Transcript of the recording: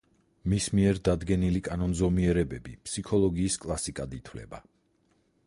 მის მიერ დადგენილი კანონზომიერებები ფსიქოლოგიის კლასიკად ითვლება.